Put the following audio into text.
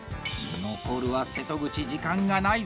残るは瀬戸口、時間がないぞ！